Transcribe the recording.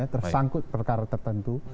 tersangkut perkara tertentu